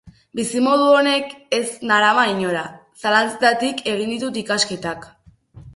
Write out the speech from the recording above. Bizimodu honek ez narama inora... zalantzetatik egin ditut ikasketak....